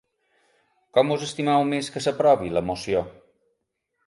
Com us estimeu més que s’aprovi la moció?